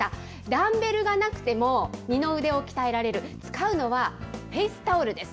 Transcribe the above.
ダンベルがなくても二の腕を鍛えられる、使うのはフェイスタオルです。